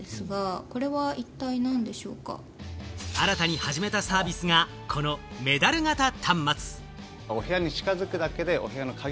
新たに始めたサービスがこのメダル型端末。